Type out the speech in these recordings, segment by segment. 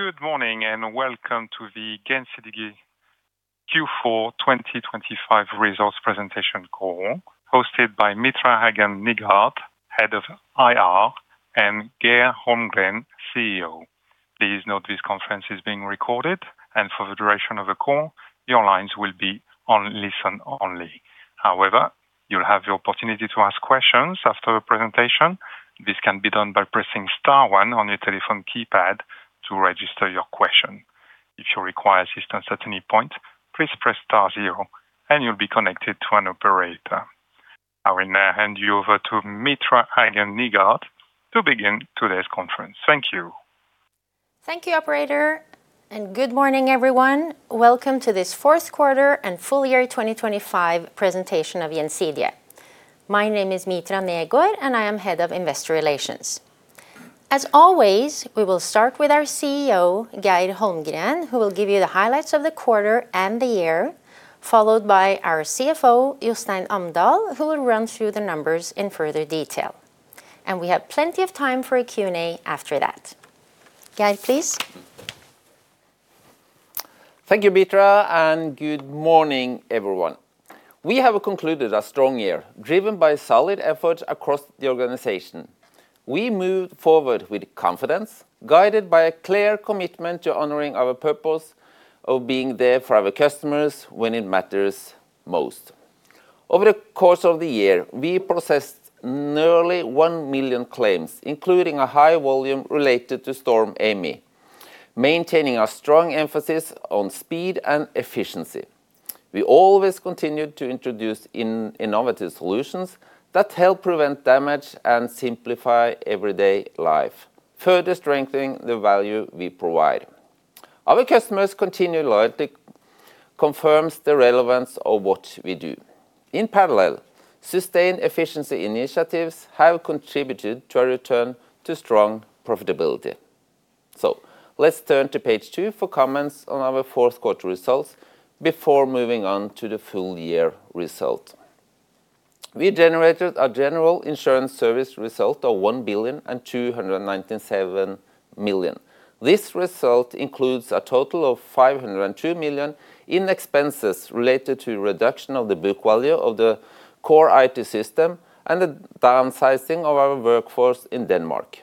Good morning, and welcome to the Gjensidige Q4 2025 results presentation call, hosted by Mitra Hagen Negård, Head of IR, and Geir Holmgren, CEO. Please note this conference is being recorded, and for the duration of the call, your lines will be on listen only. However, you'll have the opportunity to ask questions after the presentation. This can be done by pressing star one on your telephone keypad to register your question. If you require assistance at any point, please press star zero, and you'll be connected to an operator. I will now hand you over to Mitra Hagen Negård to begin today's conference. Thank you. Thank you, operator, and good morning, everyone. Welcome to this fourth quarter and full year 2025 presentation of Gjensidige. My name is Mitra Hagen Negård, and I am Head of Investor Relations. As always, we will start with our CEO, Geir Holmgren, who will give you the highlights of the quarter and the year, followed by our CFO, Jostein Amdal, who will run through the numbers in further detail. And we have plenty of time for a Q&A after that. Geir, please. Thank you, Mitra, and good morning, everyone. We have concluded a strong year, driven by solid efforts across the organization. We moved forward with confidence, guided by a clear commitment to honoring our purpose of being there for our customers when it matters most. Over the course of the year, we processed nearly 1 million claims, including a high volume related to Storm Amy, maintaining a strong emphasis on speed and efficiency. We always continued to introduce innovative solutions that help prevent damage and simplify everyday life, further strengthening the value we provide. Our customers' continued loyalty confirms the relevance of what we do. In parallel, sustained efficiency initiatives have contributed to a return to strong profitability. So let's turn to page two for comments on our fourth quarter results before moving on to the full year result. We generated a general insurance service result of 1.297 billion. This result includes a total of 502 million in expenses related to reduction of the book value of the core IT system and the downsizing of our workforce in Denmark.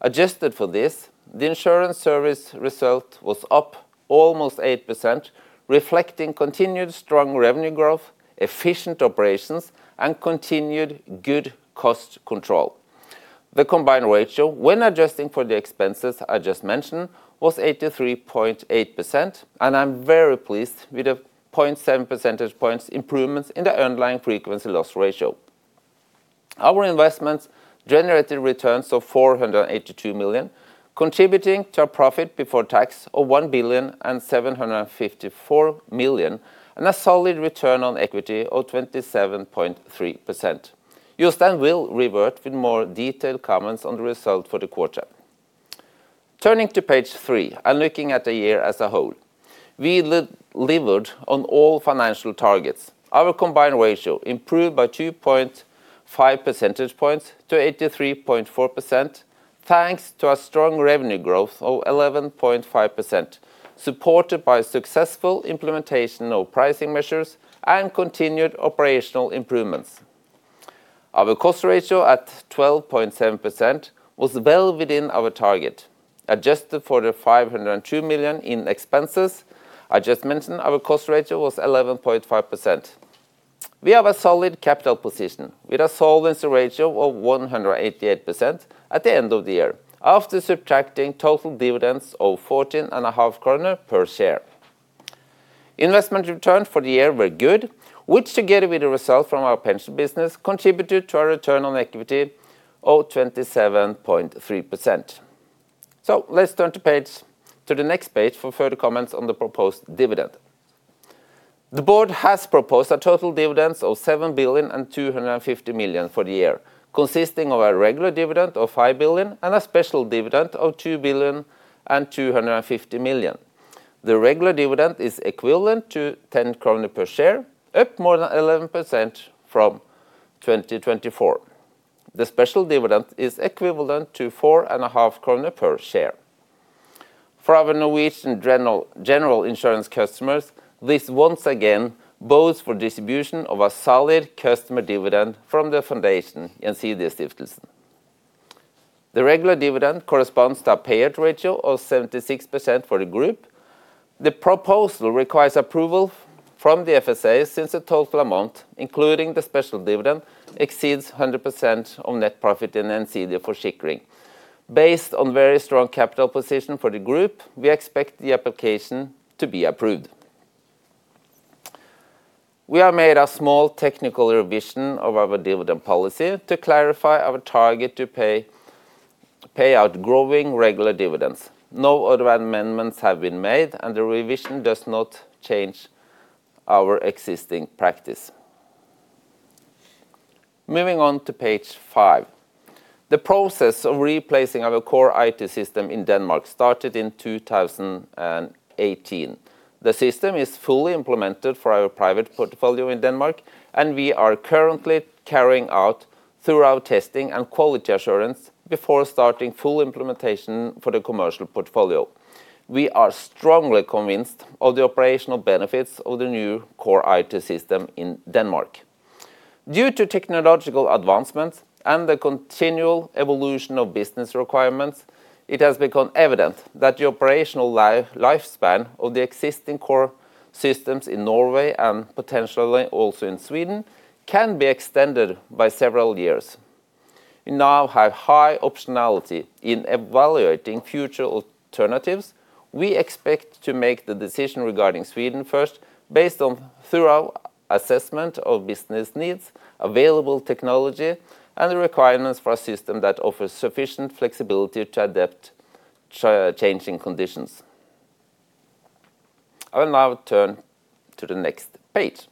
Adjusted for this, the insurance service result was up almost 8%, reflecting continued strong revenue growth, efficient operations, and continued good cost control. The combined ratio, when adjusting for the expenses I just mentioned, was 83.8%, and I'm very pleased with the 0.7 percentage points improvements in the underlying frequency loss ratio. Our investments generated returns of 482 million, contributing to a profit before tax of 1.754 billion, and a solid return on equity of 27.3%. Jostein will revert with more detailed comments on the result for the quarter. Turning to page three and looking at the year as a whole, we delivered on all financial targets. Our combined ratio improved by 2.5 percentage points to 83.4%, thanks to a strong revenue growth of 11.5%, supported by successful implementation of pricing measures and continued operational improvements. Our cost ratio at 12.7% was well within our target. Adjusted for the 502 million in expenses I just mentioned, our cost ratio was 11.5%. We have a solid capital position, with a solvency ratio of 188% at the end of the year, after subtracting total dividends of 14.5 kroner per share. Investment return for the year were good, which, together with the result from our pension business, contributed to a return on equity of 27.3%. So let's turn to page to the next page for further comments on the proposed dividend. The board has proposed a total dividends of 7.25 billion for the year, consisting of a regular dividend of 5 billion and a special dividend of 2.25 billion. The regular dividend is equivalent to 10 krone per share, up more than 11% from 2024. The special dividend is equivalent to 4.5 kroner per share. For our Norwegian general insurance customers, this once again bodes for distribution of a solid customer dividend from the foundation, and Gjensidigestiftelsen. The regular dividend corresponds to a payout ratio of 76% for the group. The proposal requires approval from the FSA, since the total amount, including the special dividend, exceeds 100% of net profit in Gjensidige Forsikring. Based on very strong capital position for the group, we expect the application to be approved. We have made a small technical revision of our dividend policy to clarify our target to pay, pay out growing regular dividends. No other amendments have been made, and the revision does not change our existing practice... Moving on to page five. The process of replacing our core IT system in Denmark started in 2018. The system is fully implemented for our private portfolio in Denmark, and we are currently carrying out thorough testing and quality assurance before starting full implementation for the commercial portfolio. We are strongly convinced of the operational benefits of the new core IT system in Denmark. Due to technological advancements and the continual evolution of business requirements, it has become evident that the operational life, lifespan of the existing core systems in Norway, and potentially also in Sweden, can be extended by several years. We now have high optionality in evaluating future alternatives. We expect to make the decision regarding Sweden first, based on thorough assessment of business needs, available technology, and the requirements for a system that offers sufficient flexibility to adapt changing conditions. I will now turn to the next page.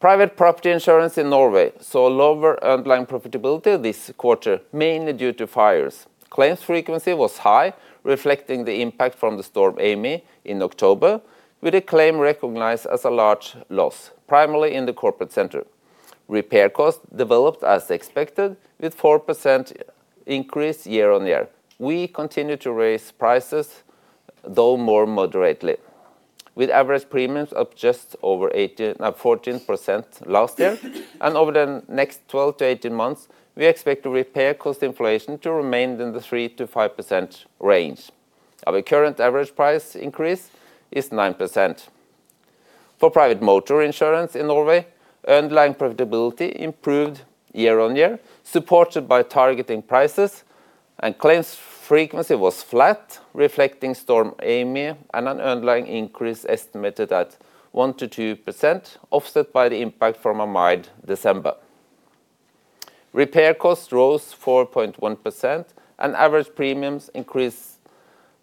Private property insurance in Norway saw lower underlying profitability this quarter, mainly due to fires. Claims frequency was high, reflecting the impact from the storm Amy in October, with a claim recognized as a large loss, primarily in the corporate center. Repair costs developed as expected, with 4% increase year-on-year. We continue to raise prices, though more moderately, with average premiums up just over 18, 14% last year. Over the next 12 to 18 months, we expect the repair cost inflation to remain in the 3%-5% range. Our current average price increase is 9%. For private motor insurance in Norway, underlying profitability improved year-on-year, supported by targeting prices, and claims frequency was flat, reflecting Storm Amy and an underlying increase estimated at 1%-2%, offset by the impact from a mild December. Repair costs rose 4.1%, and average premiums increased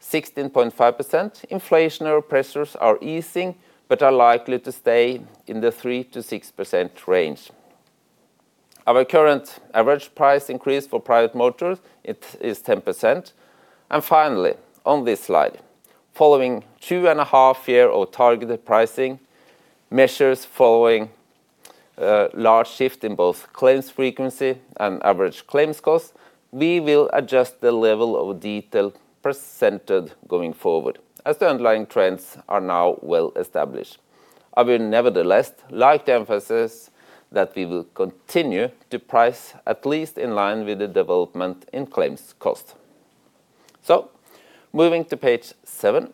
16.5%. Inflationary pressures are easing, but are likely to stay in the 3%-6% range. Our current average price increase for private motors, it is 10%. Finally, on this slide, following 2.5 years of targeted pricing measures following a large shift in both claims frequency and average claims costs, we will adjust the level of detail presented going forward, as the underlying trends are now well established. I will nevertheless like to emphasize that we will continue to price at least in line with the development in claims cost. So moving to page 7.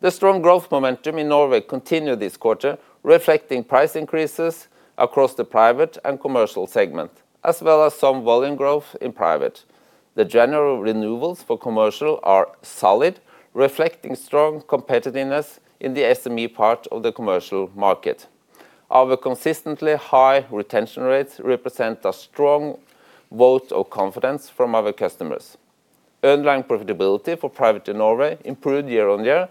The strong growth momentum in Norway continued this quarter, reflecting price increases across the private and commercial segment, as well as some volume growth in private. The general renewals for commercial are solid, reflecting strong competitiveness in the SME part of the commercial market. Our consistently high retention rates represent a strong vote of confidence from our customers. Underlying profitability for private in Norway improved year-on-year,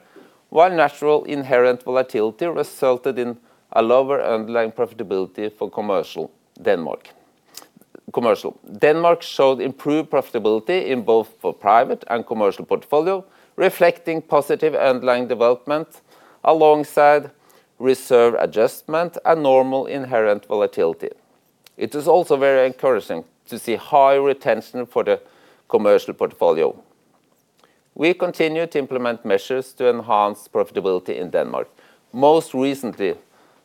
while natural inherent volatility resulted in a lower underlying profitability for commercial Denmark. Commercial Denmark showed improved profitability in both for private and commercial portfolio, reflecting positive underlying development alongside reserve adjustment and normal inherent volatility. It is also very encouraging to see high retention for the commercial portfolio. We continue to implement measures to enhance profitability in Denmark, most recently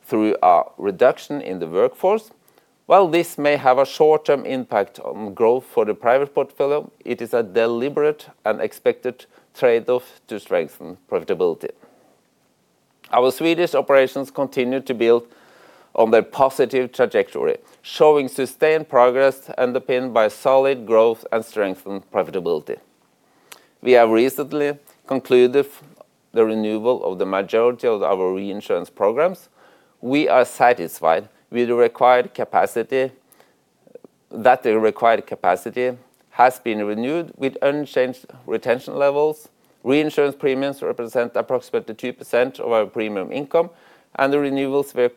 through a reduction in the workforce. While this may have a short-term impact on growth for the private portfolio, it is a deliberate and expected trade-off to strengthen profitability. Our Swedish operations continue to build on their positive trajectory, showing sustained progress underpinned by solid growth and strengthened profitability. We have recently concluded the renewal of the majority of our reinsurance programs. We are satisfied with the required capacity, that the required capacity has been renewed with unchanged retention levels. Reinsurance premiums represent approximately 2% of our premium income, and the renewals were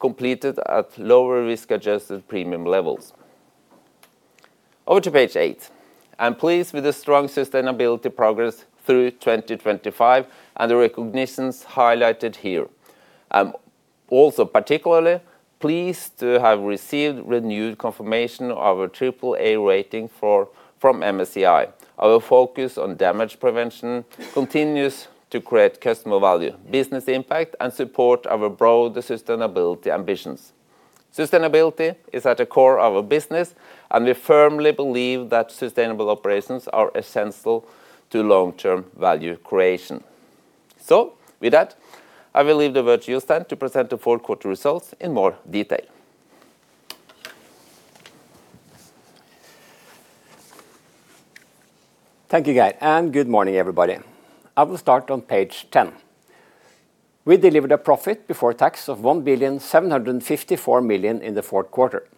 completed at lower risk-adjusted premium levels. Over to page eight. I'm pleased with the strong sustainability progress through 2025, and the recognitions highlighted here. I'm also particularly pleased to have received renewed confirmation of our triple-A rating from MSCI. Our focus on damage prevention continues to create customer value, business impact, and support our broader sustainability ambitions. Sustainability is at the core of our business, and we firmly believe that sustainable operations are essential to long-term value creation. So with that, I will leave the virtual stand to present the fourth quarter results in more detail. Thank you, Geir, and good morning, everybody. I will start on page 10. We delivered a profit before tax of 1,754 million in the fourth quarter.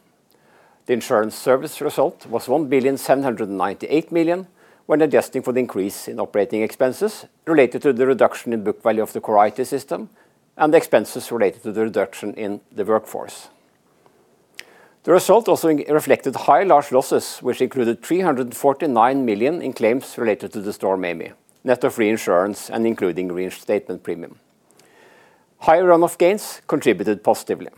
The insurance service result was 1,798 million, when adjusting for the increase in operating expenses related to the reduction in book value of the core IT system, and the expenses related to the reduction in the workforce. The result also reflected high large losses, which included 349 million in claims related to the storm Amy, net of reinsurance, and including reinstatement premium. Higher run-off gains contributed positively.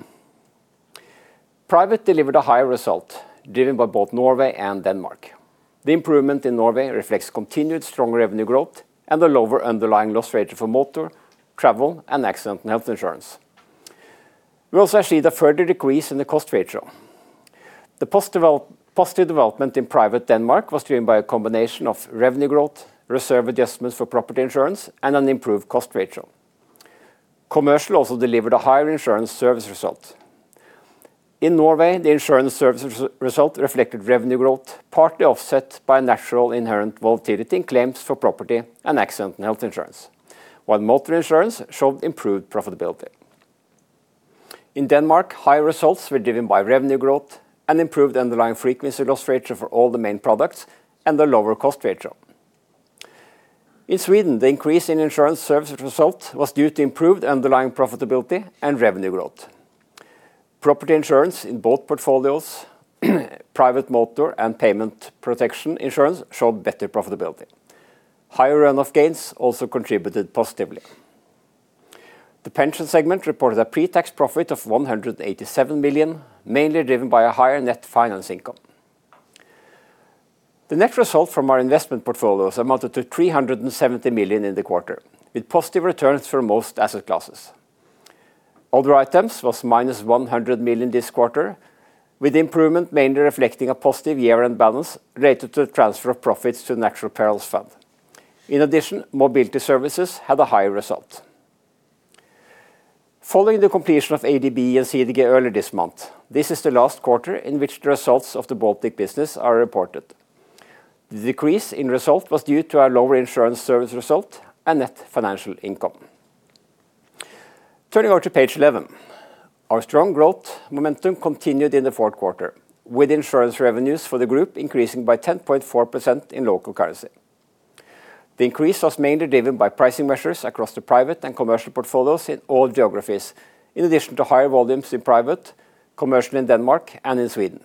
Private delivered a higher result, driven by both Norway and Denmark. The improvement in Norway reflects continued strong revenue growth and a lower underlying loss ratio for motor, travel, and accident and health insurance. We also see the further decrease in the cost ratio. The positive development in private Denmark was driven by a combination of revenue growth, reserve adjustments for property insurance, and an improved cost ratio. Commercial also delivered a higher insurance service result. In Norway, the insurance services result reflected revenue growth, partly offset by natural, inherent volatility in claims for property and accident and health insurance, while motor insurance showed improved profitability. In Denmark, higher results were driven by revenue growth and improved underlying frequency loss ratio for all the main products, and a lower cost ratio. In Sweden, the increase in insurance services result was due to improved underlying profitability and revenue growth. Property insurance in both portfolios, private motor, and payment protection insurance, showed better profitability. Higher run-off gains also contributed positively. The pension segment reported a pre-tax profit of 187 million, mainly driven by a higher net finance income. The net result from our investment portfolios amounted to 370 million in the quarter, with positive returns for most asset classes. Other items was -100 million this quarter, with improvement mainly reflecting a positive year-end balance related to the transfer of profits to the Natural Perils Fund. In addition, mobility services had a higher result. Following the completion of ADB and CDG earlier this month, this is the last quarter in which the results of the Baltic business are reported. The decrease in result was due to a lower insurance service result and net financial income. Turning over to page 11. Our strong growth momentum continued in the fourth quarter, with insurance revenues for the group increasing by 10.4% in local currency. The increase was mainly driven by pricing measures across the private and commercial portfolios in all geographies, in addition to higher volumes in private, commercial in Denmark and in Sweden.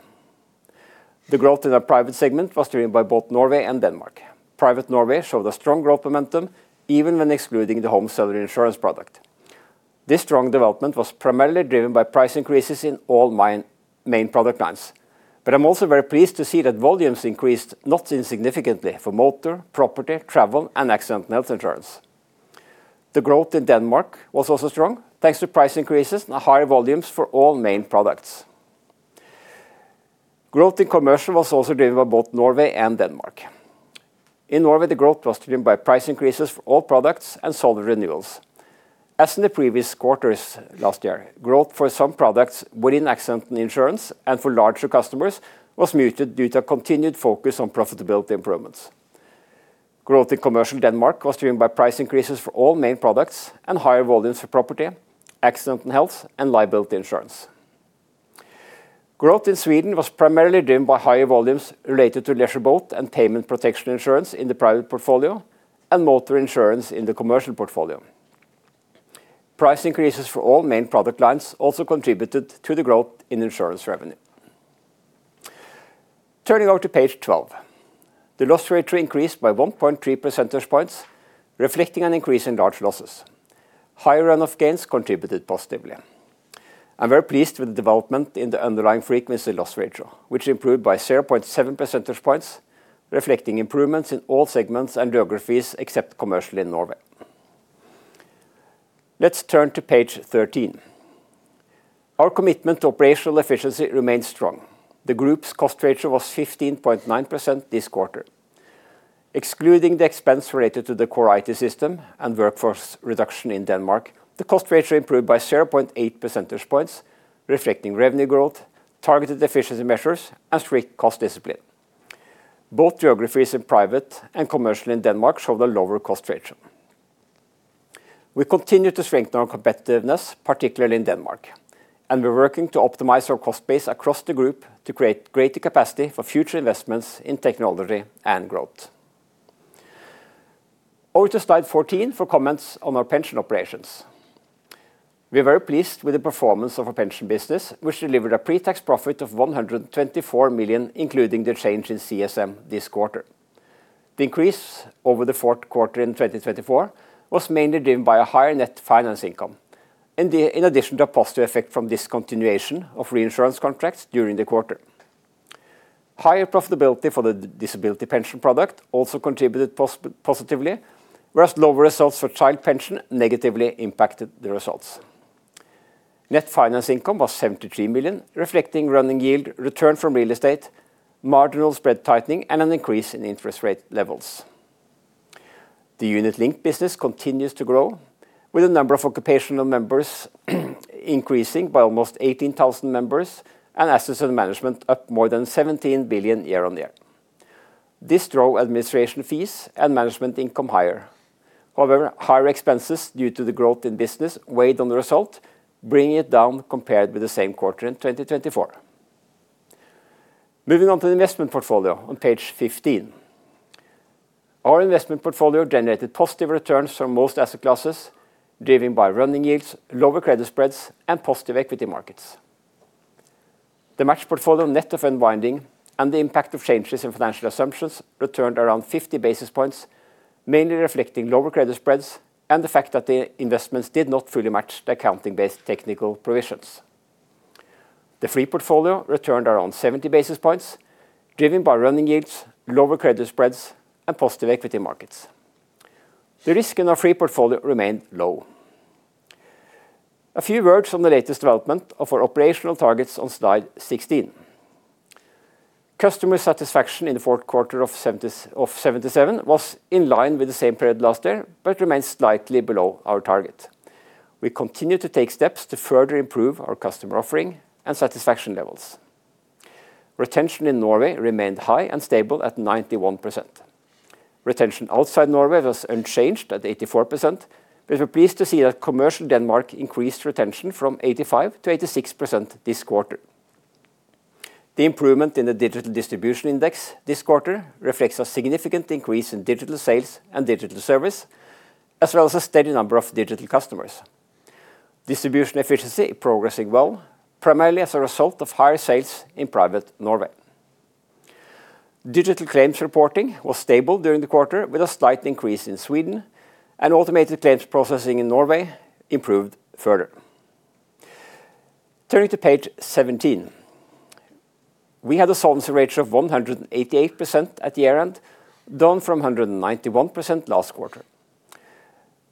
The growth in our private segment was driven by both Norway and Denmark. Private Norway showed a strong growth momentum, even when excluding the home seller insurance product. This strong development was primarily driven by price increases in all main, main product lines. But I'm also very pleased to see that volumes increased, not insignificantly, for motor, property, travel, and accident and health insurance. The growth in Denmark was also strong, thanks to price increases and higher volumes for all main products. Growth in commercial was also driven by both Norway and Denmark. In Norway, the growth was driven by price increases for all products and solid renewals. As in the previous quarters last year, growth for some products within accident insurance and for larger customers was muted due to a continued focus on profitability improvements. Growth in commercial Denmark was driven by price increases for all main products, and higher volumes for property, accident and health, and liability insurance. Growth in Sweden was primarily driven by higher volumes related to leisure boat and payment protection insurance in the private portfolio, and motor insurance in the commercial portfolio. Price increases for all main product lines also contributed to the growth in insurance revenue. Turning over to page 12. The loss ratio increased by 1.3 percentage points, reflecting an increase in large losses. Higher run-off gains contributed positively. I'm very pleased with the development in the underlying frequency loss ratio, which improved by 0.7 percentage points, reflecting improvements in all segments and geographies, except commercial in Norway. Let's turn to page 13. Our commitment to operational efficiency remains strong. The group's cost ratio was 15.9% this quarter. Excluding the expense related to the core IT system and workforce reduction in Denmark, the cost ratio improved by 0.8 percentage points, reflecting revenue growth, targeted efficiency measures, and strict cost discipline. Both geographies in private and commercial in Denmark showed a lower cost ratio. We continue to strengthen our competitiveness, particularly in Denmark, and we're working to optimize our cost base across the group to create greater capacity for future investments in technology and growth. Over to slide 14 for comments on our pension operations. We are very pleased with the performance of our pension business, which delivered a pre-tax profit of 124 million, including the change in CSM this quarter. The increase over the fourth quarter in 2024 was mainly driven by a higher net finance income, and, in addition to a positive effect from discontinuation of reinsurance contracts during the quarter. Higher profitability for the disability pension product also contributed positively, whereas lower results for child pension negatively impacted the results. Net finance income was 73 million, reflecting running yield, return from real estate, marginal spread tightening, and an increase in interest rate levels. The unit- linked business continues to grow, with the number of occupational members increasing by almost 18,000 members, and assets under management up more than 17 billion year-on-year... this drove administration fees and management income higher. However, higher expenses due to the growth in business weighed on the result, bringing it down compared with the same quarter in 2024. Moving on to the investment portfolio on page 15. Our investment portfolio generated positive returns from most asset classes, driven by running yields, lower credit spreads, and positive equity markets. The match portfolio, net of unwinding, and the impact of changes in financial assumptions returned around 50 basis points, mainly reflecting lower credit spreads and the fact that the investments did not fully match the accounting-based technical provisions. The free portfolio returned around 70 basis points, driven by running yields, lower credit spreads, and positive equity markets. The risk in our free portfolio remained low. A few words on the latest development of our operational targets on slide 16. Customer satisfaction in the fourth quarter of seventy-seven was in line with the same period last year, but remains slightly below our target. We continue to take steps to further improve our customer offering and satisfaction levels. Retention in Norway remained high and stable at 91%. Retention outside Norway was unchanged at 84%, but we're pleased to see that commercial Denmark increased retention from 85% to 86% this quarter. The improvement in the digital distribution index this quarter reflects a significant increase in digital sales and digital service, as well as a steady number of digital customers. Distribution efficiency is progressing well, primarily as a result of higher sales in private Norway. Digital claims reporting was stable during the quarter, with a slight increase in Sweden, and automated claims processing in Norway improved further. Turning to page 17. We had a solvency ratio of 188% at the year-end, down from 191% last quarter.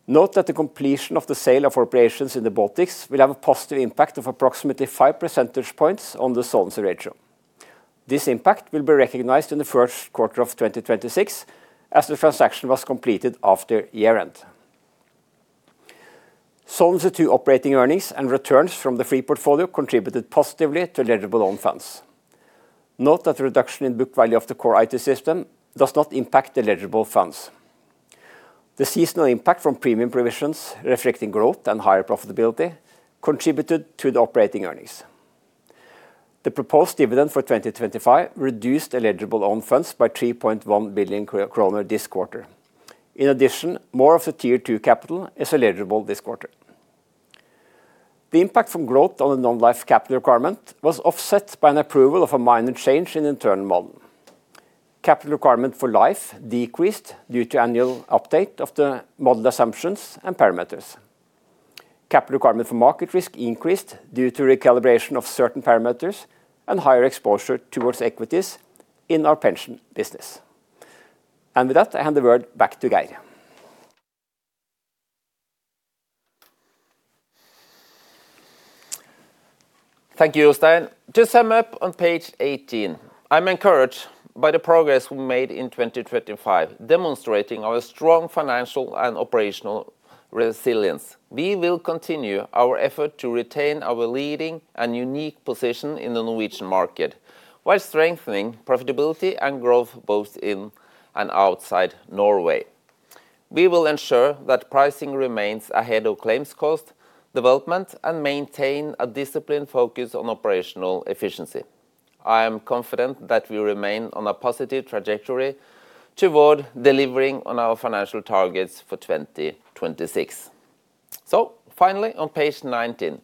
Note that the completion of the sale of operations in the Baltics will have a positive impact of approximately 5 percentage points on the solvency ratio. This impact will be recognized in the first quarter of 2026, as the transaction was completed after year-end. Solvency to operating earnings and returns from the free portfolio contributed positively to eligible own funds. Note that the reduction in book value of the core IT system does not impact the eligible funds. The seasonal impact from premium provisions, reflecting growth and higher profitability, contributed to the operating earnings. The proposed dividend for 2025 reduced eligible own funds by 3.1 billion kroner this quarter. In addition, more of the Tier 2 capital is eligible this quarter. The impact from growth on the non-life capital requirement was offset by an approval of a minor change in the internal model. Capital requirement for life decreased due to annual update of the model assumptions and parameters. Capital requirement for market risk increased due to recalibration of certain parameters and higher exposure towards equities in our pension business. With that, I hand the word back to Geir. Thank you, Jostein. To sum up on page 18, I'm encouraged by the progress we made in 2025, demonstrating our strong financial and operational resilience. We will continue our effort to retain our leading and unique position in the Norwegian market, while strengthening profitability and growth, both in and outside Norway. We will ensure that pricing remains ahead of claims cost, development, and maintain a disciplined focus on operational efficiency. I am confident that we remain on a positive trajectory toward delivering on our financial targets for 2026. So finally, on page 19,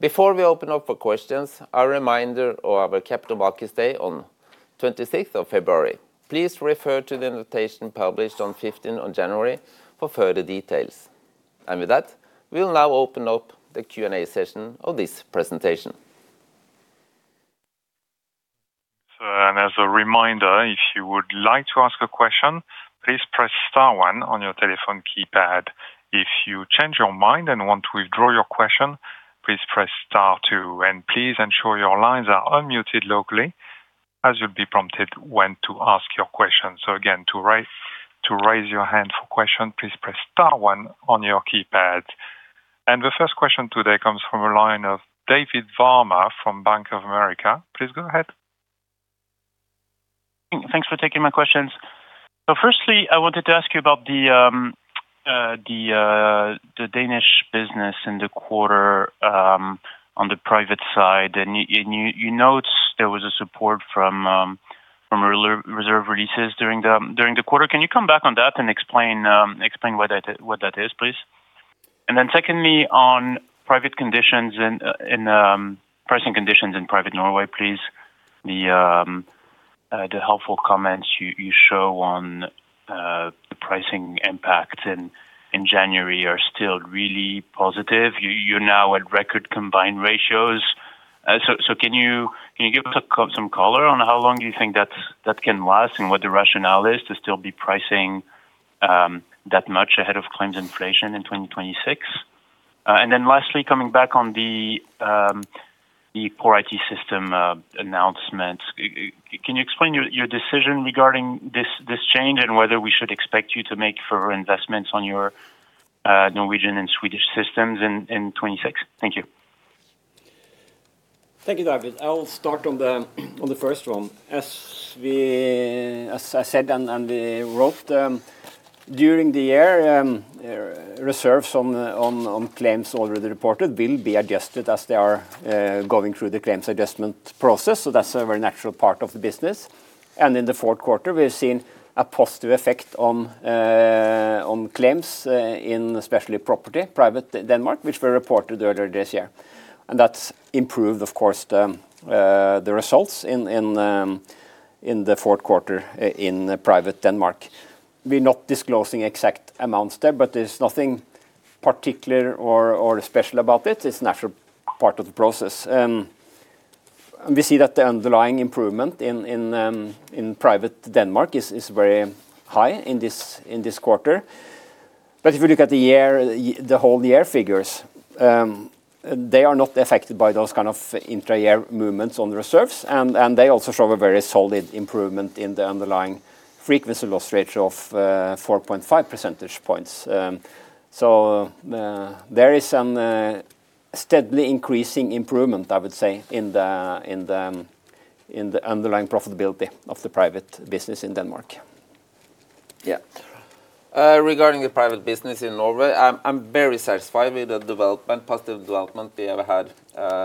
before we open up for questions, a reminder of our Capital Markets Day on 26th of February. Please refer to the invitation published on 15th on January for further details. And with that, we'll now open up the Q&A session of this presentation. So, and as a reminder, if you would like to ask a question, please press star one on your telephone keypad. If you change your mind and want to withdraw your question, please press star two, and please ensure your lines are unmuted locally, as you'll be prompted when to ask your questions. So again, to raise your hand for question, please press star one on your keypad. The first question today comes from a line of Deepak Verma from Bank of America. Please go ahead. Thanks for taking my questions. So firstly, I wanted to ask you about the Danish business in the quarter, on the private side. And you note there was a support from re-reserve releases during the quarter. Can you come back on that and explain what that is, please? And then secondly, on pricing conditions in private Norway, please. The helpful comments you show on the pricing impact in January are still really positive. You're now at record combined ratios. So can you give us some color on how long you think that can last and what the rationale is to still be pricing that much ahead of claims inflation in 2026? And then lastly, coming back on the core IT system announcement. Can you explain your decision regarding this change, and whether we should expect you to make further investments on your Norwegian and Swedish systems in 2026? Thank you. Thank you, David. I will start on the first one. As I said, and we wrote, during the year, reserves on claims already reported will be adjusted as they are going through the claims adjustment process. So that's a very natural part of the business. And in the fourth quarter, we've seen a positive effect on claims in especially property, private Denmark, which were reported earlier this year. And that's improved, of course, the results in the fourth quarter in private Denmark. We're not disclosing exact amounts there, but there's nothing particular or special about it. It's natural part of the process. We see that the underlying improvement in private Denmark is very high in this quarter. But if you look at the year, the whole year figures, they are not affected by those kind of intra-year movements on the reserves, and they also show a very solid improvement in the underlying frequency loss ratio of 4.5 percentage points. So, there is some steadily increasing improvement, I would say, in the underlying profitability of the private business in Denmark. Yeah. Regarding the private business in Norway, I'm very satisfied with the development, positive development we have had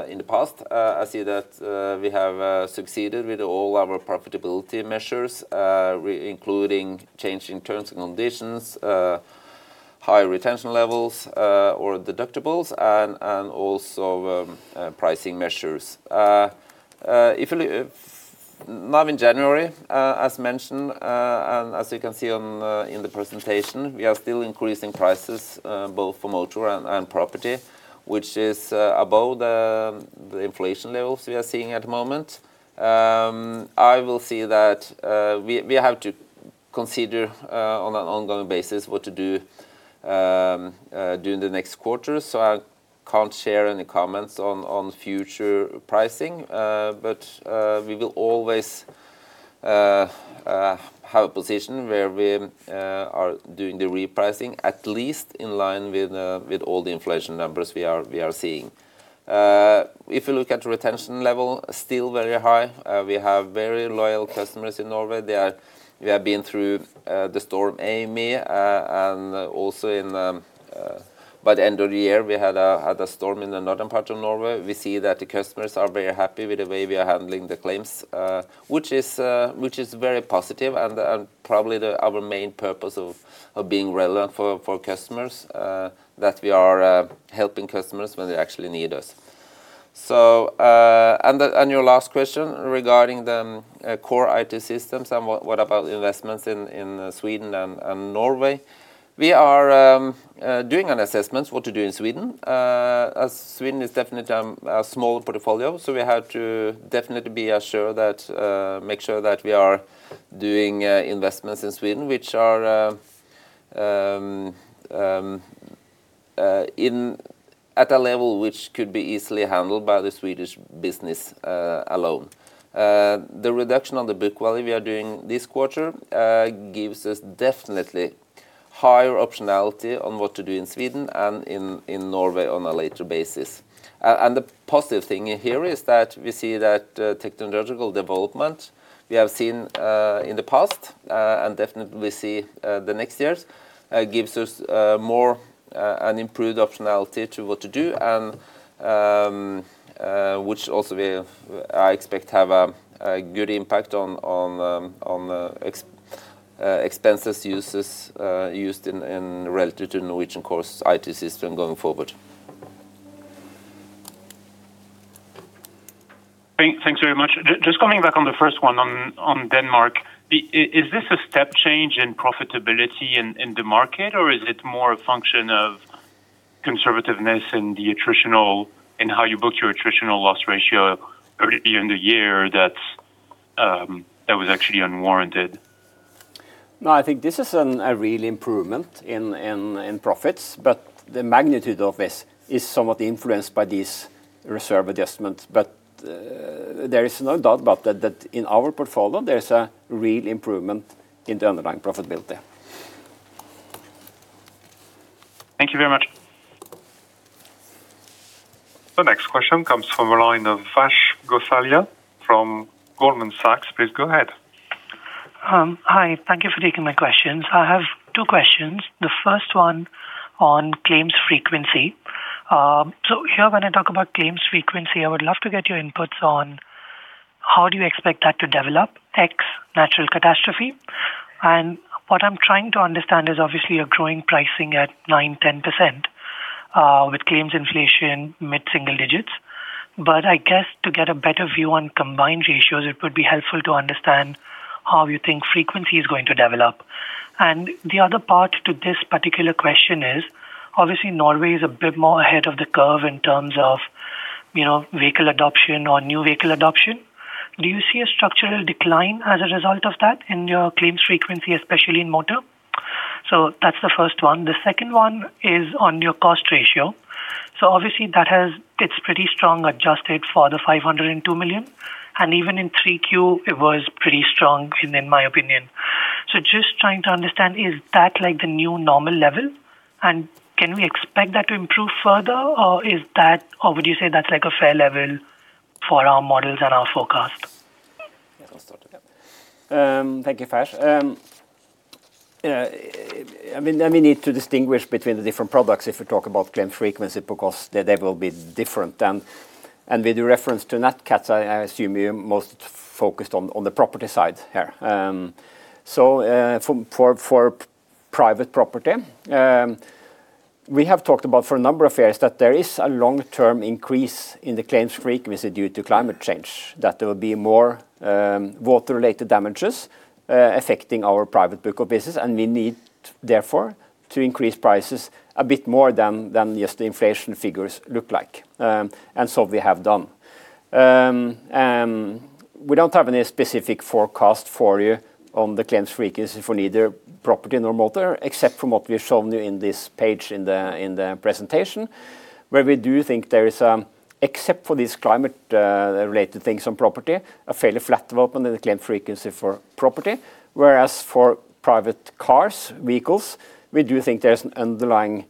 in the past. I see that we have succeeded with all our profitability measures, including change in terms and conditions, high retention levels, or deductibles, and also pricing measures. If you look... Now, in January, as mentioned, and as you can see in the presentation, we are still increasing prices both for motor and property, which is above the inflation levels we are seeing at the moment. I will see that we have to consider on an ongoing basis what to do during the next quarter, so I can't share any comments on future pricing. But we will always have a position where we are doing the repricing, at least in line with all the inflation numbers we are seeing. If you look at retention level, still very high. We have very loyal customers in Norway. We have been through the storm Amy, and also by the end of the year, we had a storm in the northern part of Norway. We see that the customers are very happy with the way we are handling the claims, which is very positive and probably our main purpose of being relevant for customers, that we are helping customers when they actually need us. So, and your last question regarding the core IT systems and what about investments in Sweden and Norway? We are doing an assessment what to do in Sweden. As Sweden is definitely a small portfolio, so we have to definitely be assured that make sure that we are doing investments in Sweden, which are at a level which could be easily handled by the Swedish business alone. The reduction on the book value we are doing this quarter gives us definitely higher optionality on what to do in Sweden and in Norway on a later basis. And the positive thing here is that we see that technological development we have seen in the past and definitely see the next years gives us more an improved optionality to what to do, and which also will, I expect, have a good impact on expenses used in relation to Norwegian core IT system going forward. Thanks very much. Just coming back on the first one, on Denmark. Is this a step change in profitability in the market, or is it more a function of conservativeness in the attritional, in how you book your attritional loss ratio early in the year that's that was actually unwarranted? No, I think this is a real improvement in profits, but the magnitude of this is somewhat influenced by these reserve adjustments. But there is no doubt about that in our portfolio, there is a real improvement in the underlying profitability. Thank you very much. The next question comes from the line of Vrajesh Gosalia from Goldman Sachs. Please go ahead. Hi, thank you for taking my questions. I have two questions. The first one on claims frequency. So here, when I talk about claims frequency, I would love to get your inputs on how do you expect that to develop ex natural catastrophe? And what I'm trying to understand is, obviously, you're growing pricing at 9%-10%, with claims inflation mid-single digits. But I guess to get a better view on combined ratios, it would be helpful to understand how you think frequency is going to develop. And the other part to this particular question is, obviously, Norway is a bit more ahead of the curve in terms of, you know, vehicle adoption or new vehicle adoption. Do you see a structural decline as a result of that in your claims frequency, especially in motor? So that's the first one. The second one is on your cost ratio. So obviously, that has, it's pretty strong, adjusted for the 502 million, and even in 3Q, it was pretty strong, in, in my opinion.... So just trying to understand, is that like the new normal level? And can we expect that to improve further, or is that, or would you say that's like a fair level for our models and our forecast? Yeah, I'll start it up. Thank you, Vash. I mean, then we need to distinguish between the different products if we talk about claim frequency, because they will be different then. With reference to net cats, I assume you're most focused on the property side here. So, for private property, we have talked about for a number of years that there is a long-term increase in the claims frequency due to climate change, that there will be more water-related damages affecting our private book of business, and we need, therefore, to increase prices a bit more than just the inflation figures look like. And so we have done. We don't have any specific forecast for you on the claims frequency for neither property nor motor, except from what we've shown you in this page in the, in the presentation, where we do think there is, except for these climate, related things on property, a fairly flat development in the claim frequency for property. Whereas for private cars, vehicles, we do think there's an underlying,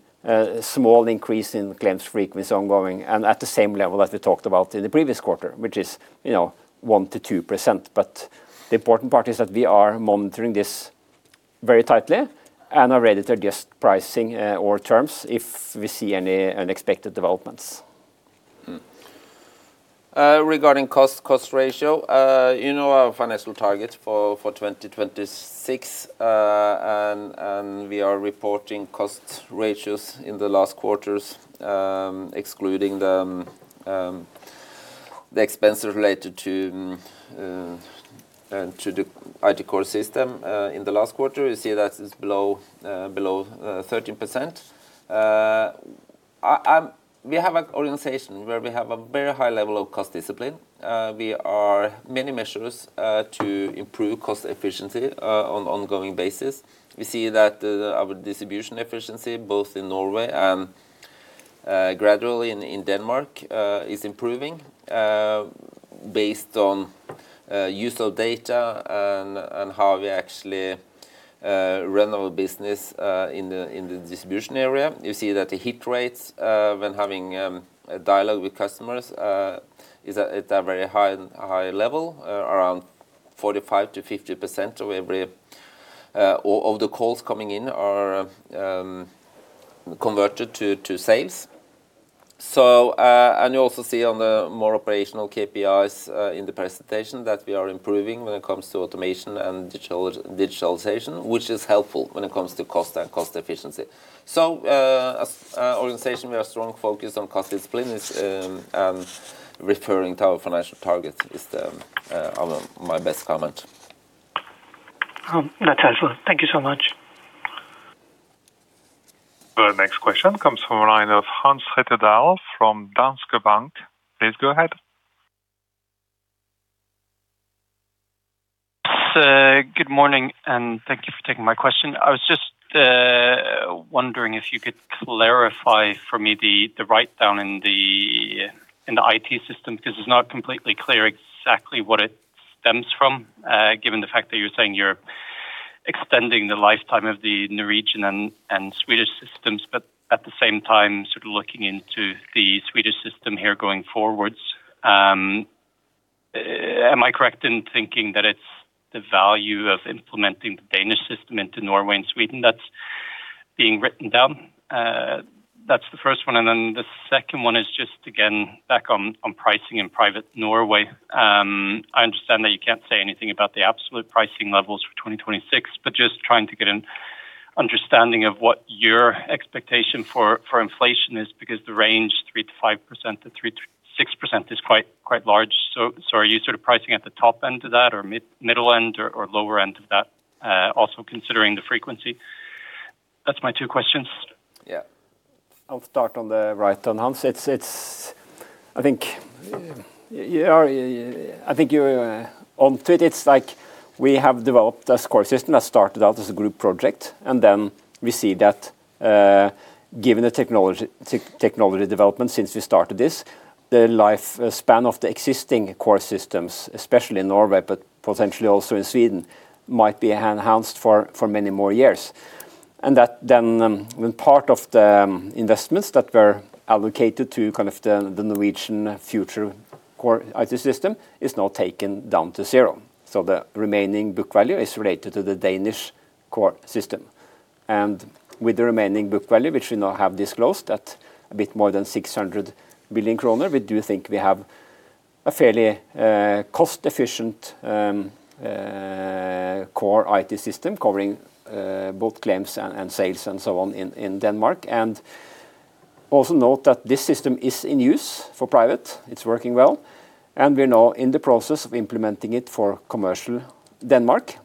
small increase in claims frequency ongoing, and at the same level as we talked about in the previous quarter, which is, you know, 1%-2%. But the important part is that we are monitoring this very tightly and are ready to adjust pricing, or terms if we see any unexpected developments. Regarding cost, cost ratio, you know our financial target for 2026, and we are reporting cost ratios in the last quarters, excluding the expenses related to the IT core system, in the last quarter. You see that it's below 13%. We have an organization where we have a very high level of cost discipline. We have many measures to improve cost efficiency on an ongoing basis. We see that our distribution efficiency, both in Norway and gradually in Denmark, is improving, based on use of data and how we actually run our business, in the distribution area. You see that the hit rates when having a dialogue with customers is at a very high level around 45%-50% of the calls coming in are converted to sales. So you also see on the more operational KPIs in the presentation that we are improving when it comes to automation and digitalization, which is helpful when it comes to cost and cost efficiency. So as organization, we are strong focused on cost discipline and referring to our financial targets is my best comment. That's helpful. Thank you so much. The next question comes from the line of Hans Rettedal from Danske Bank. Please go ahead. Good morning, and thank you for taking my question. I was just wondering if you could clarify for me the write-down in the IT system, because it's not completely clear exactly what it stems from, given the fact that you're saying you're extending the lifetime of the Norwegian and Swedish systems, but at the same time, sort of looking into the Swedish system here going forwards. Am I correct in thinking that it's the value of implementing the Danish system into Norway and Sweden that's being written down? That's the first one, and then the second one is just again, back on pricing in private Norway. I understand that you can't say anything about the absolute pricing levels for 2026, but just trying to get an understanding of what your expectation for, for inflation is, because the range 3%-5% to 3%-6% is quite, quite large. So, so are you sort of pricing at the top end of that, or mid-middle end, or, or lower end of that, also considering the frequency? That's my two questions. Yeah. I'll start on the right then, Hans. It's, it's... I think you are, I think you're on to it. It's like we have developed a score system that started out as a group project, and then we see that, given the technology development since we started this, the life span of the existing core systems, especially in Norway, but potentially also in Sweden, might be enhanced for many more years. And that then, when part of the investments that were allocated to kind of the Norwegian future core IT system is now taken down to zero. So the remaining book value is related to the Danish core system. With the remaining book value, which we now have disclosed at a bit more than 600 billion kroner, we do think we have a fairly, cost-efficient, core IT system covering, both claims and sales and so on in Denmark. And also note that this system is in use for private. It's working well, and we're now in the process of implementing it for commercial Denmark.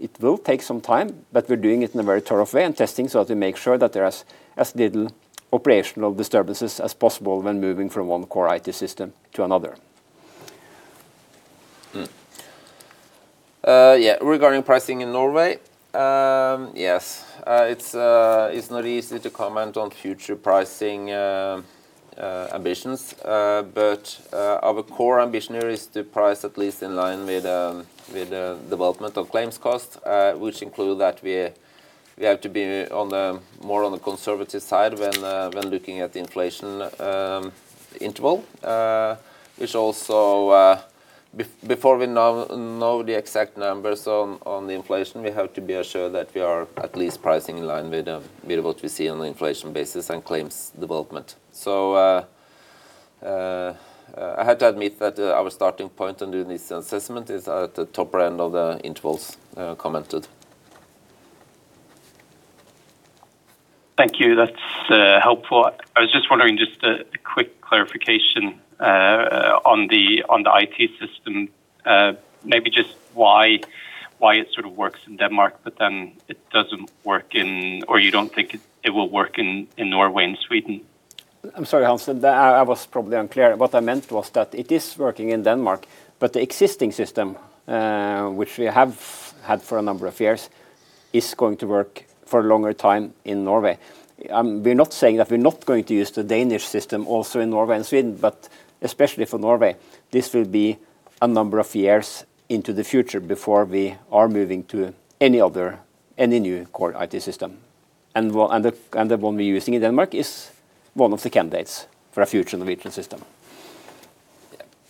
It will take some time, but we're doing it in a very thorough way and testing, so to make sure that there is as little operational disturbances as possible when moving from one core IT system to another. Yeah, regarding pricing in Norway, yes, it's not easy to comment on future pricing.... ambitions. But our core ambition is to price at least in line with the development of claims cost, which include that we have to be more on the conservative side when looking at the inflation interval. Which also... Before we know the exact numbers on the inflation, we have to be assured that we are at least pricing in line with what we see on the inflation basis and claims development. So, I have to admit that our starting point under this assessment is at the top end of the intervals, commented. Thank you. That's helpful. I was just wondering, just a quick clarification on the IT system. Maybe just why it sort of works in Denmark, but then it doesn't work in, or you don't think it will work in Norway and Sweden? I'm sorry, Hans, I was probably unclear. What I meant was that it is working in Denmark, but the existing system, which we have had for a number of years, is going to work for a longer time in Norway. We're not saying that we're not going to use the Danish system also in Norway and Sweden, but especially for Norway, this will be a number of years into the future before we are moving to any other, any new core IT system. And the one we're using in Denmark is one of the candidates for a future Norwegian system.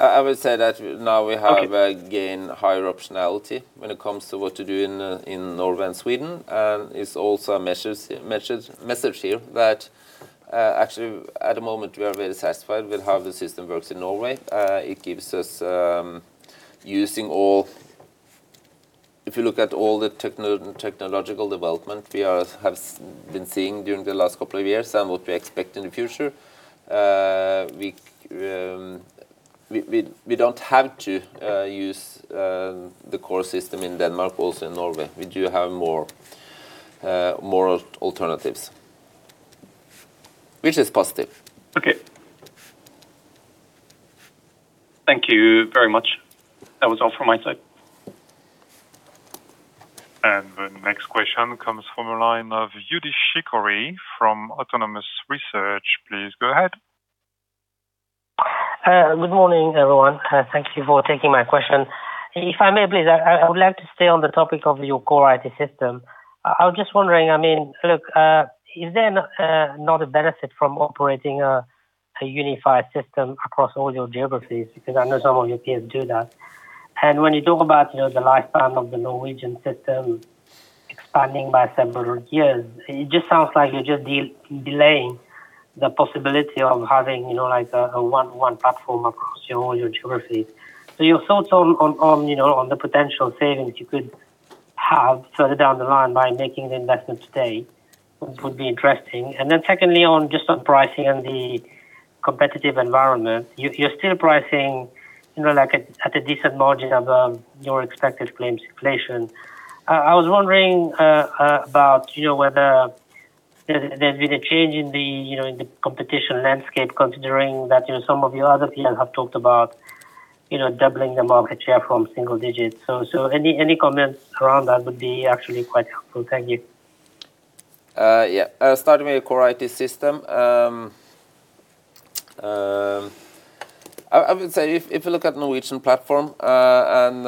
I would say that now we have- Okay... gained higher optionality when it comes to what to do in Norway and Sweden. And it's also a message here that actually, at the moment, we are very satisfied with how the system works in Norway. It gives us... If you look at all the technological development we have been seeing during the last couple of years and what we expect in the future, we don't have to use the core system in Denmark, also in Norway. We do have more alternatives, which is positive. Okay. Thank you very much. That was all from my side. The next question comes from the line of Youdish Sikari from Autonomous Research. Please, go ahead. Good morning, everyone. Thank you for taking my question. If I may, please, I would like to stay on the topic of your core IT system. I was just wondering, I mean, look, is there not a benefit from operating a unified system across all your geographies? Because I know some of your peers do that. And when you talk about, you know, the lifespan of the Norwegian system expanding by several years, it just sounds like you're just delaying the possibility of having, you know, like a one platform across, you know, your geographies. So your thoughts on, you know, on the potential savings you could have further down the line by making the investment today would be interesting. And then secondly, on pricing and the competitive environment, you're still pricing, you know, like at a decent margin above your expected claims inflation. I was wondering about, you know, whether there's been a change in the competition landscape, considering that, you know, some of your other peers have talked about, you know, doubling the market share from single digits. So any comments around that would be actually quite helpful. Thank you. Yeah. Starting with a core IT system, I would say if you look at Norwegian platform, and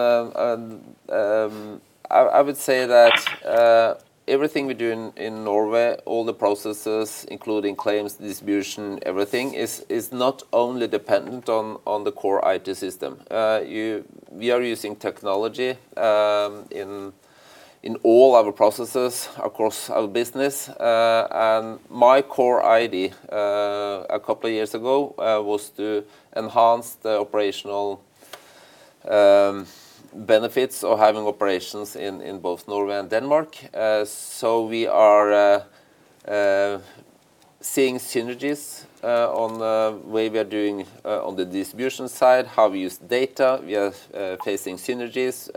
I would say that everything we do in Norway, all the processes, including claims, distribution, everything, is not only dependent on the core IT system. We are using technology in all our processes across our business. And my core idea a couple of years ago was to enhance the operational benefits of having operations in both Norway and Denmark. So we are seeing synergies on the way we are doing on the distribution side, how we use data. We are facing synergies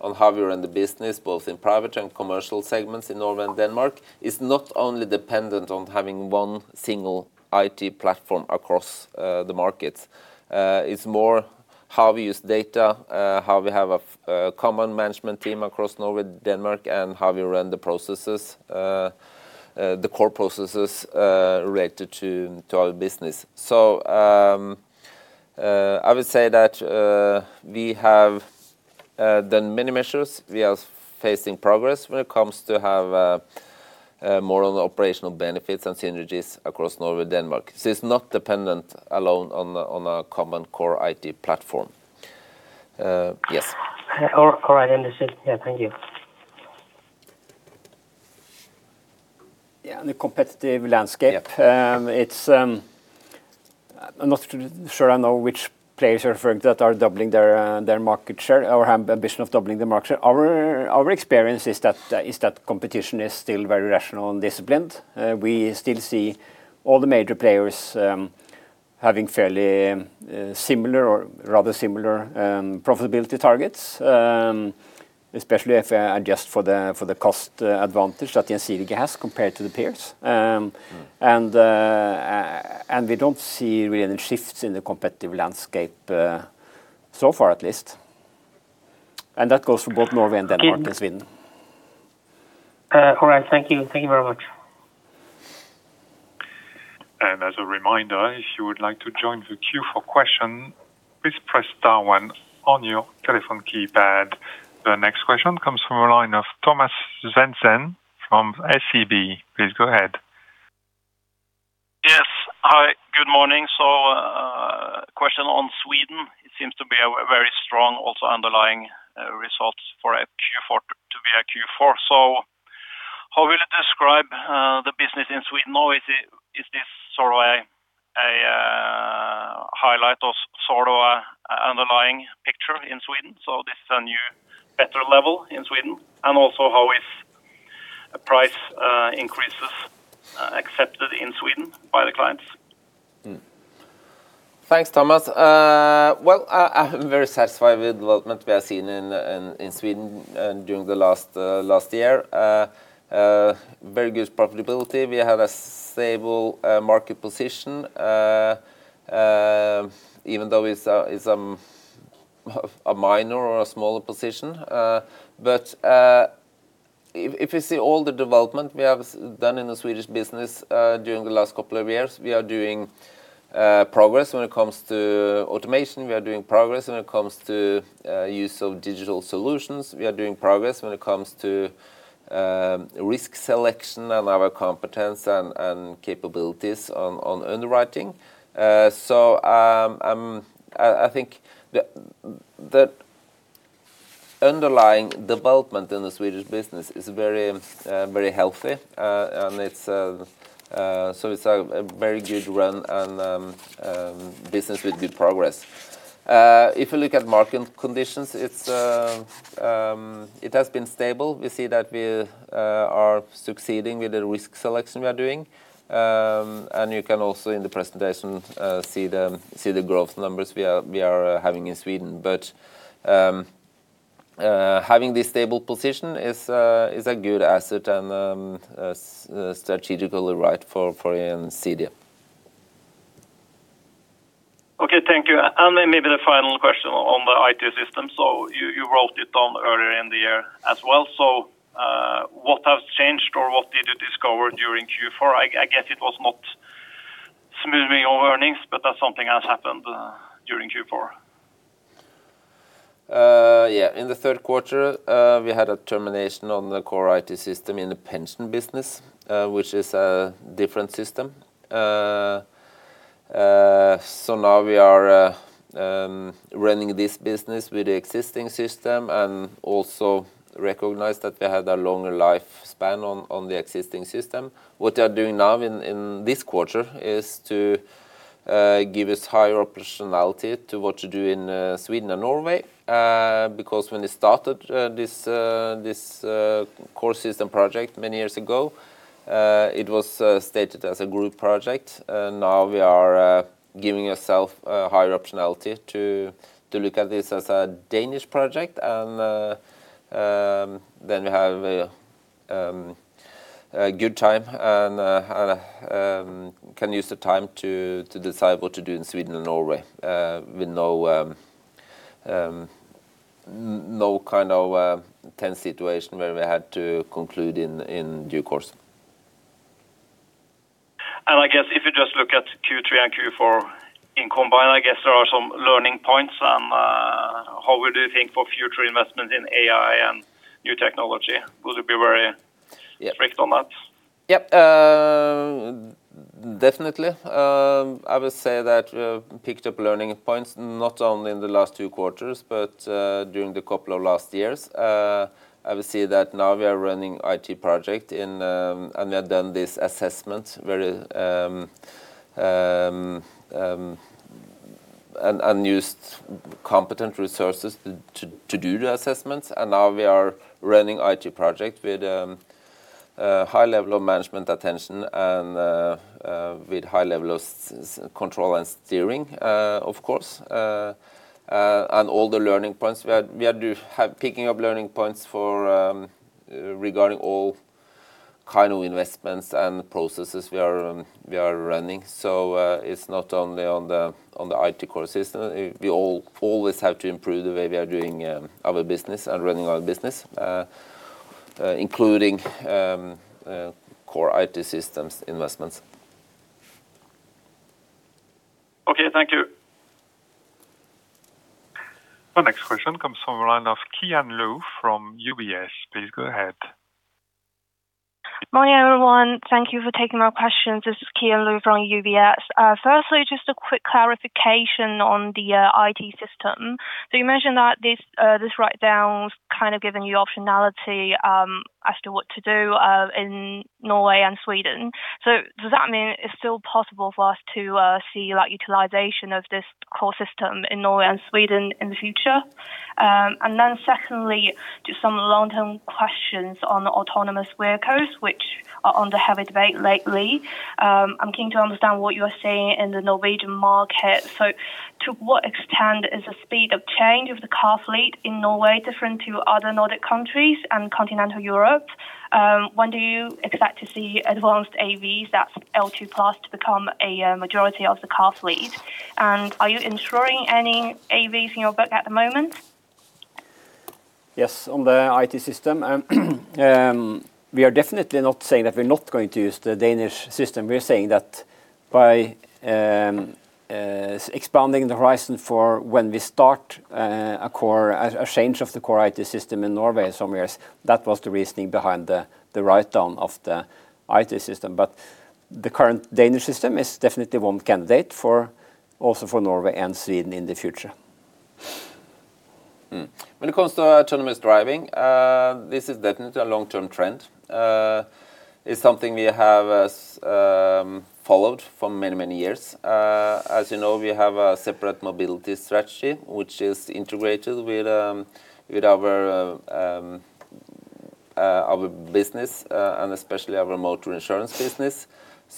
on how we run the business, both in private and commercial segments in Norway and Denmark. It's not only dependent on having one single IT platform across the markets. It's more how we use data, how we have a common management team across Norway, Denmark, and how we run the processes, the core processes, related to our business. So, I would say that we have done many measures. We are facing progress when it comes to have more on the operational benefits and synergies across Norway, Denmark. So it's not dependent alone on a common core IT platform. Yes. All right, understood. Yeah, thank you. Yeah, on the competitive landscape- Yeah... it's, I'm not sure I know which players you're referring that are doubling their their market share or have the ambition of doubling the market share. Our our experience is that, is that competition is still very rational and disciplined. We still see all the major players, having fairly, similar or rather similar, profitability targets, especially if I adjust for the, for the cost advantage that Gjensidige has compared to the peers. And, and we don't see really any shifts in the competitive landscape, so far at least. And that goes for both Norway and Denmark and Sweden.... All right. Thank you. Thank you very much. As a reminder, if you would like to join the queue for question, please press star one on your telephone keypad. The next question comes from a line of Thomas Svendsen from SEB. Please go ahead. Yes. Hi, good morning. So, question on Sweden. It seems to be a very strong, also underlying, results for a Q4 to be a Q4. So how will you describe the business in Sweden? Or is it, is this sort of a, a, highlight or sort of a, an underlying picture in Sweden? So this is a new better level in Sweden, and also how is price increases accepted in Sweden by the clients? Hmm. Thanks, Thomas. Well, I'm very satisfied with development we have seen in Sweden, and during the last year. Very good profitability. We have a stable market position. Even though it's a minor or a smaller position. But if you see all the development we have done in the Swedish business during the last couple of years, we are doing progress when it comes to automation. We are doing progress when it comes to use of digital solutions. We are doing progress when it comes to risk selection and our competence and capabilities on underwriting. So I think the underlying development in the Swedish business is very very healthy. And it's... It's a very good run and business with good progress. If you look at market conditions, it has been stable. We see that we are succeeding with the risk selection we are doing. And you can also, in the presentation, see the growth numbers we are having in Sweden. But having this stable position is a good asset and a strategically right for in CD. Okay, thank you. And then maybe the final question on the IT system. So you wrote it down earlier in the year as well. So, what has changed, or what did you discover during Q4? I guess it was not smoothing of earnings, but that something has happened during Q4. Yeah, in the third quarter, we had a termination on the core IT system in the pension business, which is a different system. So now we are running this business with the existing system and also recognize that we had a longer lifespan on the existing system. What we are doing now in this quarter is to give us higher optionality to what to do in Sweden and Norway. Because when we started this core system project many years ago, it was stated as a group project, and now we are giving ourself a higher optionality to look at this as a Danish project. Then we have a good time and can use the time to decide what to do in Sweden and Norway, with no kind of tense situation where we had to conclude in due course. I guess if you just look at Q3 and Q4 combined, I guess there are some learning points and how we do think for future investment in AI and new technology. Would you be very- Yeah. strict on that? Yeah. Definitely. I would say that we have picked up learning points, not only in the last two quarters, but during the couple of last years. I would say that now we are running an IT project, and we have done this assessment and used competent resources to do the assessments. And now we are running an IT project with high level of management attention and with high level of strong control and steering, of course. And all the learning points we have picked up regarding all kind of investments and processes we are running. So, it's not only on the IT core system. We all always have to improve the way we are doing our business and running our business, including core IT systems investments. Okay, thank you. Our next question comes from the line of Qian Lu from UBS. Please go ahead. Morning, everyone. Thank you for taking my questions. This is Qian Lu from UBS. Firstly, just a quick clarification on the IT system. So you mentioned that this write-down is kind of giving you optionality as to what to do in Norway and Sweden. So does that mean it's still possible for us to see, like, utilization of this core system in Norway and Sweden in the future? And then secondly, just some long-term questions on autonomous vehicles, which are under heavy debate lately. I'm keen to understand what you are seeing in the Norwegian market. So to what extent is the speed of change of the car fleet in Norway different to other Nordic countries and continental Europe? When do you expect to see advanced AVs, that's L2 plus, to become a majority of the car fleet? Are you insuring any AVs in your book at the moment?... Yes, on the IT system, we are definitely not saying that we're not going to use the Danish system. We are saying that by expanding the horizon for when we start a change of the core IT system in Norway in some years, that was the reasoning behind the write-down of the IT system. But the current Danish system is definitely one candidate for also for Norway and Sweden in the future. When it comes to autonomous driving, this is definitely a long-term trend. It's something we have followed for many, many years. As you know, we have a separate mobility strategy, which is integrated with our business, and especially our motor insurance business.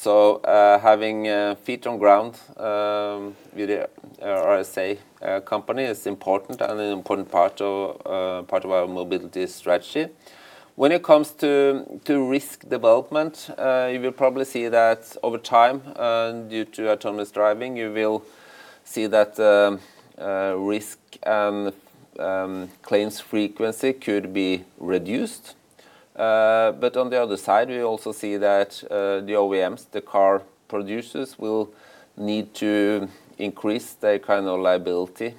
Having feet on ground with a RSA company is important and an important part of our mobility strategy. When it comes to risk development, you will probably see that over time due to autonomous driving, you will see that risk and claims frequency could be reduced. But on the other side, we also see that the OEMs, the car producers, will need to increase their kind of liability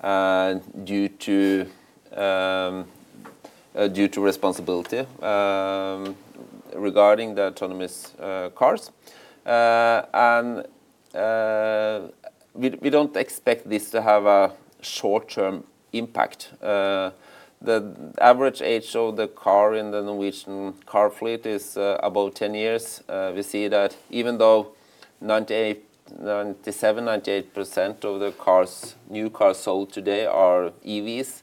and due to responsibility regarding the autonomous cars. And we don't expect this to have a short-term impact. The average age of the car in the Norwegian car fleet is about 10 years. We see that even though 98, 97, 98% of the cars, new cars sold today are EVs,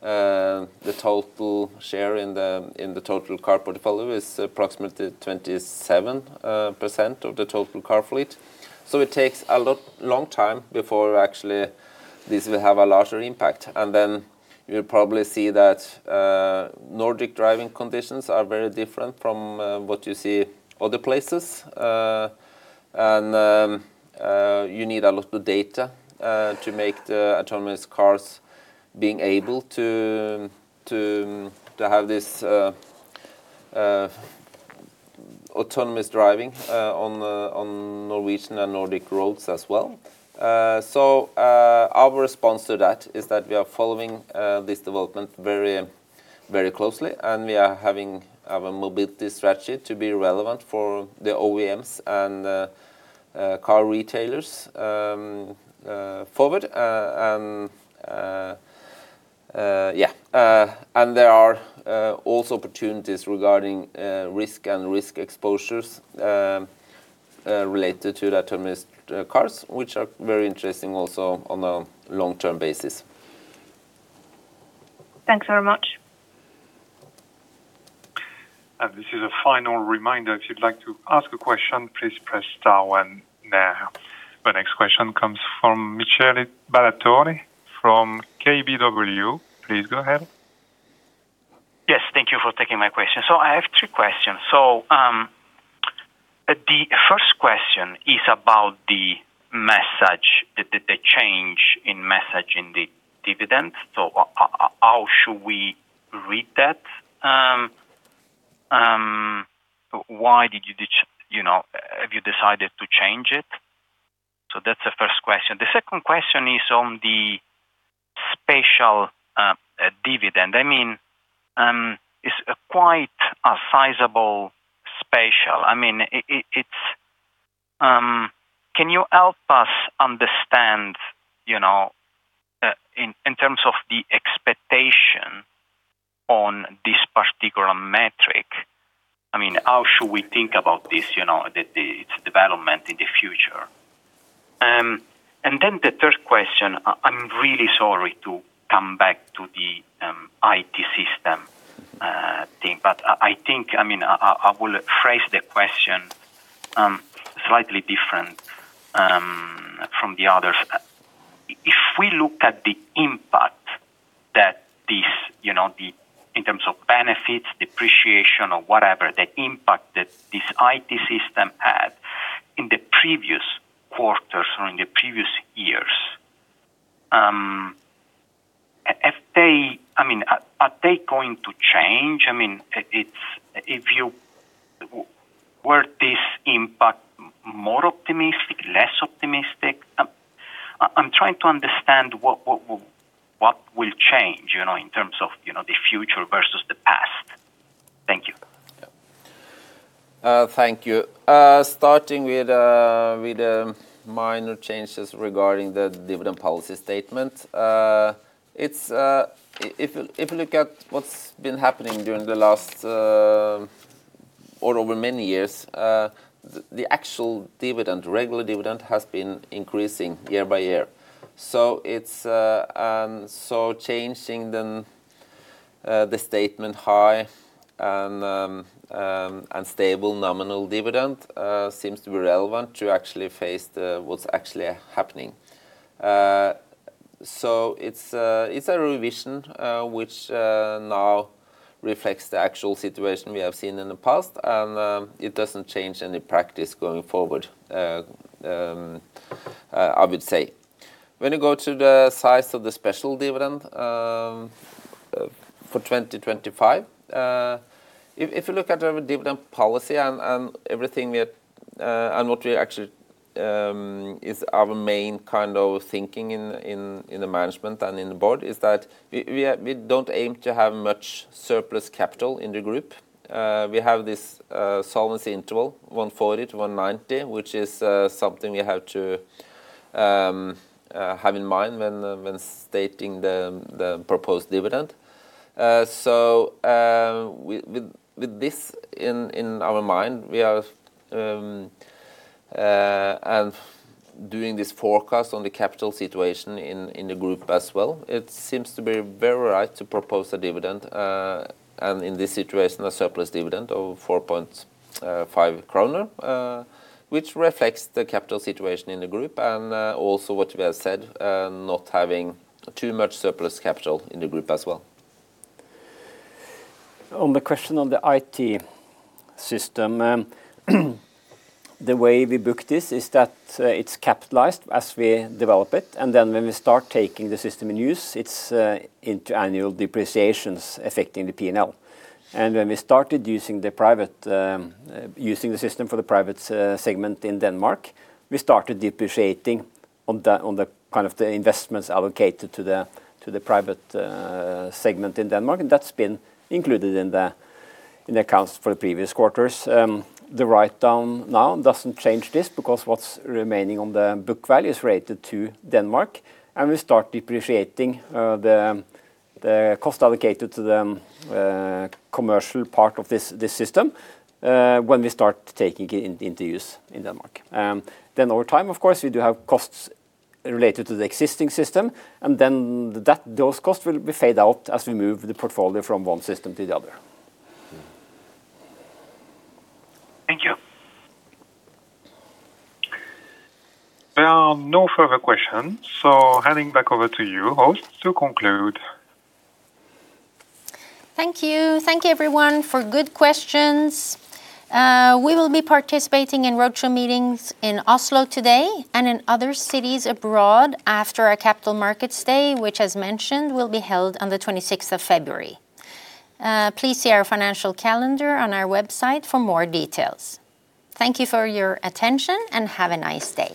the total share in the, in the total car portfolio is approximately 27% of the total car fleet. So it takes a lot, long time before actually this will have a larger impact. And then you'll probably see that Nordic driving conditions are very different from what you see other places. And you need a lot of data to make the autonomous cars being able to, to, to have this autonomous driving on the, on Norwegian and Nordic roads as well. So, our response to that is that we are following this development very, very closely, and we are having our mobility strategy to be relevant for the OEMs and the car retailers forward. And there are also opportunities regarding risk and risk exposures related to the autonomous cars, which are very interesting also on a long-term basis. Thanks very much. This is a final reminder. If you'd like to ask a question, please press star one now. The next question comes from Michele Ballatore from KBW. Please go ahead. Yes, thank you for taking my question. So I have two questions. So, the first question is about the message, the change in message in the dividend. So how should we read that? Why did you, you know, have you decided to change it? So that's the first question. The second question is on the special dividend. I mean, it's quite a sizable special. I mean, it's... Can you help us understand, you know, in terms of the expectation on this particular metric? I mean, how should we think about this, you know, its development in the future? And then the third question, I'm really sorry to come back to the IT system thing, but I think, I mean, I will phrase the question slightly different from the others. If we look at the impact that this, you know, the in terms of benefits, depreciation, or whatever, the impact that this IT system had in the previous quarters or in the previous years, if they... I mean, are they going to change? I mean, it's if you were this impact more optimistic, less optimistic? I'm trying to understand what will change, you know, in terms of, you know, the future versus the past. Thank you. Yeah. Thank you. Starting with the minor changes regarding the dividend policy statement, it's if you look at what's been happening during the last or over many years, the actual dividend, regular dividend has been increasing year by year. So it's, and so changing then the statement high and stable nominal dividend seems to be relevant to actually face what's actually happening. So it's a revision, which reflects the actual situation we have seen in the past, and it doesn't change any practice going forward, I would say. When you go to the size of the special dividend for 2025, if you look at our dividend policy and everything we had, and what we actually is our main kind of thinking in the management and in the board, is that we don't aim to have much surplus capital in the group. We have this solvency interval, 140-190, which is something we have to have in mind when stating the proposed dividend. So, with this in our mind, we are and doing this forecast on the capital situation in the group as well, it seems to be very right to propose a dividend, and in this situation, a surplus dividend of 4.5 kroner, which reflects the capital situation in the group, and also what we have said, not having too much surplus capital in the group as well. On the question on the IT system, the way we book this is that it's capitalized as we develop it, and then when we start taking the system in use, it's into annual depreciations affecting the P&L. When we started using the system for the private segment in Denmark, we started depreciating on the kind of the investments allocated to the private segment in Denmark, and that's been included in the accounts for the previous quarters. The write-down now doesn't change this because what's remaining on the book value is related to Denmark, and we start depreciating the cost allocated to the commercial part of this system when we start taking it into use in Denmark. Over time, of course, we do have costs related to the existing system, and then those costs will be faded out as we move the portfolio from one system to the other. Mm-hmm. Thank you. There are no further questions, so handing back over to you, host, to conclude. Thank you. Thank you everyone for good questions. We will be participating in roadshow meetings in Oslo today and in other cities abroad after our Capital Markets Day, which, as mentioned, will be held on the 26th of February. Please see our financial calendar on our website for more details. Thank you for your attention, and have a nice day.